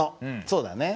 そうだね。